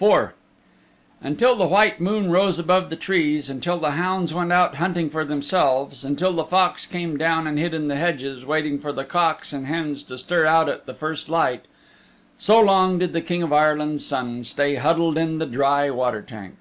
IV Until the white moon rose above the trees; until the hounds went out hunting for themselves; until the foxes came down and hid in the hedges, waiting for the cocks and hens to stir out at the first light so long did the King of Ireland's Son stay huddled in the dry water tank.